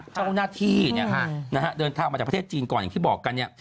เจ้าหน้าที่เดินทางมาจากประเทศจีนก่อนอย่างที่บอกกันเนี่ย